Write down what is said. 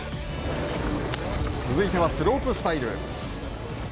続いてはスロープスタイル。